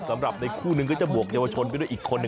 สำหรับในคู่นึงก็จะบวกเยาวชนไปด้วยอีกคนน